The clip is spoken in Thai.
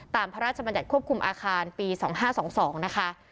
พระราชบัญญัติควบคุมอาคารปี๒๕๒๒นะคะ